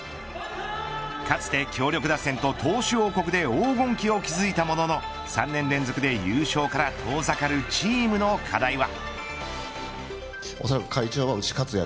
かつて、強力打線と投手王国で黄金期を築いたものの３年連続で優勝から遠ざかるチームの課題は。